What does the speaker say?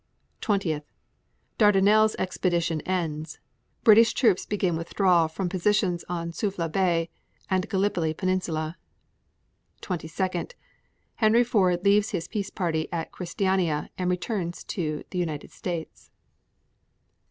20. Dardanelles expedition ends; British troops begin withdrawal from positions on Suvla Bay and Gallipoli Peninsula. 22. Henry Ford leaves his peace party at Christiania and returns to the United States.